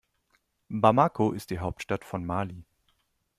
Bamako ist die Hauptstadt von Mali.